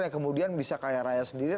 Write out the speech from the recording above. yang kemudian bisa kaya raya sendiri